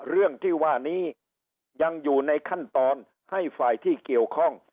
เรื่องที่ว่านี้ยังอยู่ในขั้นตอนให้ฝ่ายที่เกี่ยวข้อง